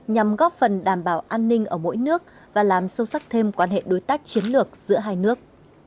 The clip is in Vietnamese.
nhằm góp phần đảm bảo an ninh ở mỗi nước và làm sâu sắc thêm quan hệ đối tác chiến lược giữa hai nước